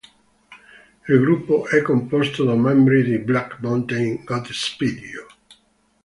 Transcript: Il gruppo è composto da membri di Black Mountain, Godspeed You!